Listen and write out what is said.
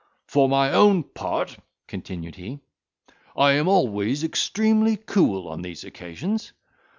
"For my own part," continued he, "I am always extremely cool on these occasions."